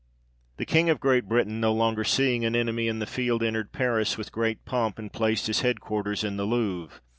The King of Great Britain, no longer seeing an enemy in the field, entered Paris with great pomp, and placed his head quarters in the Louvre.